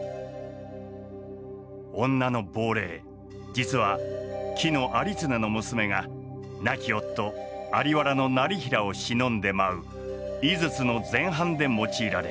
女の亡霊実は紀有常の娘が亡き夫在原業平を偲んで舞う「井筒」の前半で用いられる。